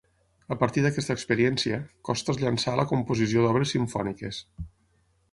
A partir d'aquesta experiència, Costa es llançà a la composició d'obres simfòniques.